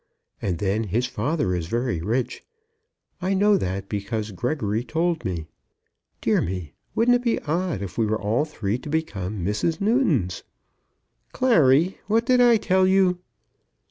And then his father is very rich. I know that because Gregory told me. Dear me! wouldn't it be odd if we were all three to become Mrs. Newtons?" "Clary, what did I tell you?"